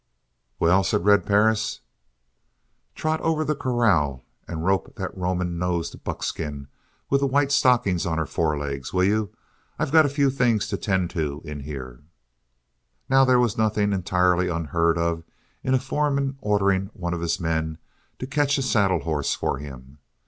"Well?" said Red Perris. "Trot over to the corral and rope that Roman nosed buckskin with the white stockings on her forelegs, will you? I got a few things to tend to in here." Now there was nothing entirely unheard of in a foreman ordering one of his men to catch a saddle horse for him.